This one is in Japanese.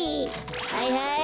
はいはい。